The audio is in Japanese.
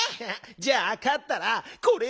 じゃあかったらこれやるよ。